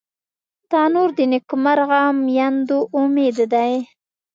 تنور د نیکمرغه میندو امید دی